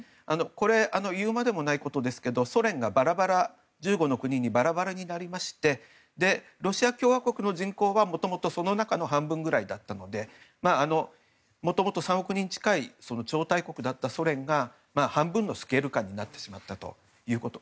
これは言うまでもないことですがソ連が１５の国にバラバラになりましてロシア共和国の人口はもともと、その中の半分ぐらいだったのでもともと３億人近い超大国のソ連が半分のスケール感になってしまったということ。